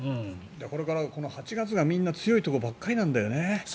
これから８月がみんな、強いところばっかりなんだよね。